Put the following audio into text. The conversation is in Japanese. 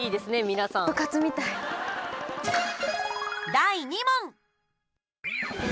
第２問。